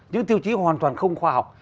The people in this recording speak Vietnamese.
những tiêu chí hoàn toàn không khoa học